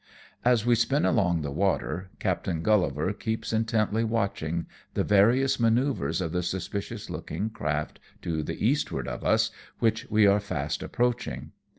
As we spin along the water, Captain Grullivar keeps intently watching the various manoeuvres of the suspicious looking craft to the eastward of us, which we are fast approaching.